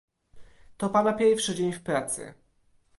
To pana pierwszy dzień w pracy